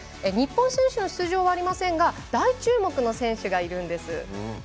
日本選手の出場はありませんが大注目の選手がいるんです。